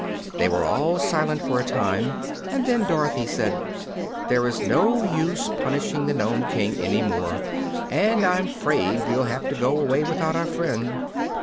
They were all silent for a time, and then Dorothy said: "There is no use punishing the Nome King any more, and I'm 'fraid we'll have to go away without our friend."